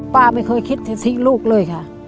ป้าไม่เคยคิดจะทิ้งลูกเลยค่ะ